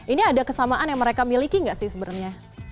ini ada kesamaan yang mereka miliki nggak sih sebenarnya